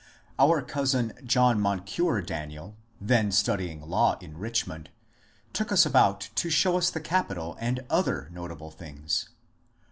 Our cousin John Moncure Daniel, then studying law in Richmond, took us about to show us the capital and other notable things.